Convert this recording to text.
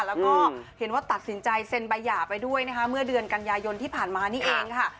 แล้วก็เห็นว่าตัดสินใจเซ็นใบหย่าไปด้วยนะคะเมื่อเดือนกันยายนที่ผ่านมานี่เองค่ะ